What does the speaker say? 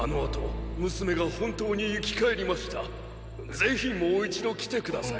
ぜひもう一度来て下さい。